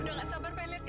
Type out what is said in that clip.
udah gak sabar pak